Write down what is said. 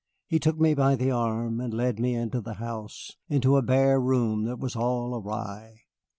He took me by the arm and led me into the house, into a bare room that was all awry.